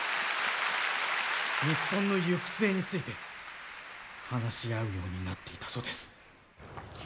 日本の行く末について話し合うようになっていたそうです。